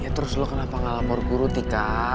ya terus lo kenapa gak lapor guru tika